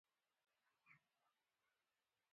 بابا یو ښکلی صوفیانه غزل لري.